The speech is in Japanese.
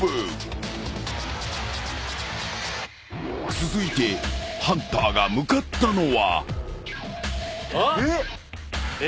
［続いてハンターが向かったのは］